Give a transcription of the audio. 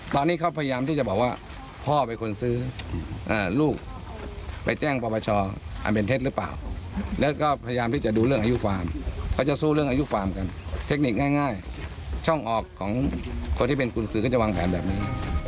ตอนนี้เขาพยายามที่จะบอกว่าพ่อเป็นคนซื้อลูกไปแจ้งปรปชอันเป็นเท็จหรือเปล่าแล้วก็พยายามที่จะดูเรื่องอายุความเขาจะสู้เรื่องอายุความกันเทคนิคง่ายช่องออกของคนที่เป็นกุญสือก็จะวางแผนแบบนี้